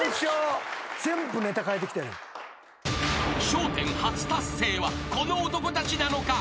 ［笑１０初達成はこの男たちなのか？］